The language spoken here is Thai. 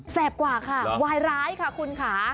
แสบกว่าค่ะไว้ร้ายค่ะคุณค่ะ